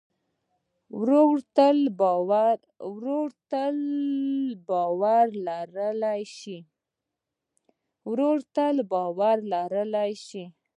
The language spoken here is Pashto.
ورور ته تل باور لرلی شې.